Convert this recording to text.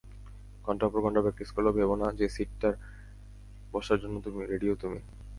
ঘন্টার পর ঘন্টা প্র্যাকটিস করলেও ভেবো না যে সিটটায় বসার জন্য রেডিও তুমি।